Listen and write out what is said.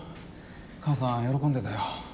母さん喜んでたよ。